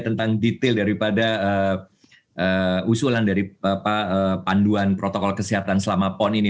tentang detail daripada usulan dari panduan protokol kesehatan selama pon ini